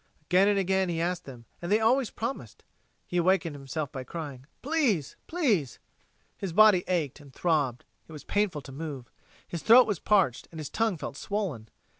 Again and again he asked them, and always they promised. He awakened himself by crying, "Please! Please!" His body ached and throbbed; it was painful to move. His throat was parched, and his tongue felt swollen.